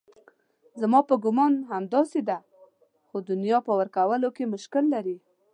زما په ګومان همداسې ده خو دنیا په ورکولو کې مشکل لري.